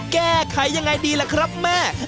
แก้ไขยังไงดีล่ะครับแม่